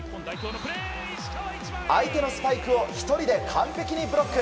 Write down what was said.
相手のスパイクを１人で完璧にブロック。